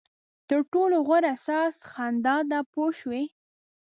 تر ټولو غوره ساز خندا ده پوه شوې!.